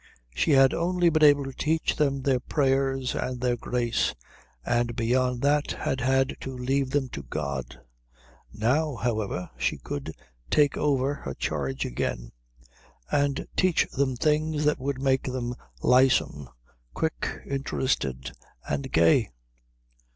She had only been able to teach them their prayers and their grace, and beyond that had had to leave them to God. Now, however, she could take over her charge again, and teach them things that would make them lissom, quick, interested, and gay.